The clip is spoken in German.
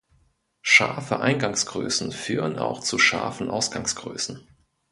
Scharfe Eingangsgrößen führen auch zu scharfen Ausgangsgrößen.